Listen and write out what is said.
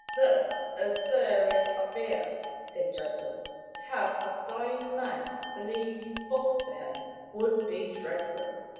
"This is a serious affair," said Joseph. "To have a dying man believe you false to him would be dreadful!